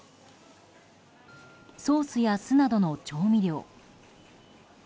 ソースや酢などの調味料。